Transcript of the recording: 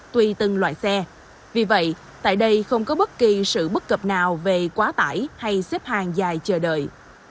tùy từng loại xe vì vậy tại đây không có bất kỳ sự bất cập nào về quá tải hay xếp hàng dài chờ đợi